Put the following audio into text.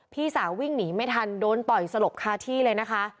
พี่สาววิ่งหนีไม่ทันโดนต่อยสลบคาที่เลยนะคะ